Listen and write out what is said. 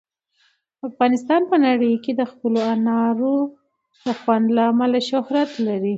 افغانستان په نړۍ کې د خپلو انارو د خوند له امله شهرت لري.